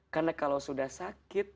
karena kalau sudah sakit